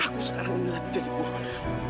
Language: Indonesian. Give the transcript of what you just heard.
aku sekarang ingat jadi buruk